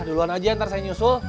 duluan aja ntar saya nyusul